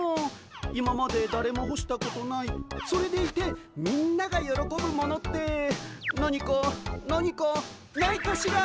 今までだれもほしたことないそれでいてみんながよろこぶものって何か何かないかしら。